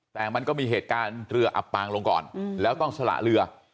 แต่มันก็มีเหตุการณ์เรืออับปางลงก่อนแล้วต้องสละเรือ